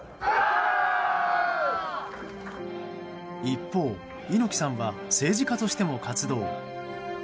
一方、猪木さんは政治家としても活動。